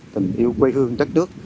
tình yêu quê hương đất nước